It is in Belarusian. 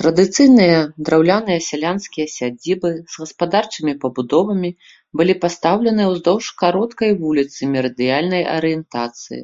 Традыцыйныя драўляныя сялянскія сядзібы з гаспадарчымі пабудовамі былі пастаўлены ўздоўж кароткай вуліцы мерыдыянальнай арыентацыі.